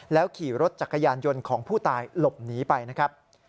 ขี่รถจักรยานยนต์ของผู้ตายหลบหนีไปนะครับ